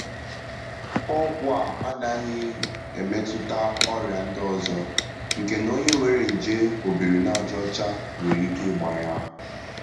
Ọgwụ a anaghị emetụta ọrịa ndịọzọ nke n'onye nwere nje obirinajaocha nwere ike ịgba ya.